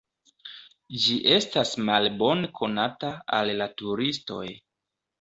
Ĝi estas malbone konata al la turistoj.